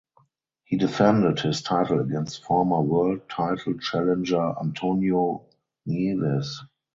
He defended his title against former world title challenger Antonio Nieves.